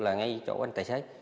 là ngay chỗ anh tài xế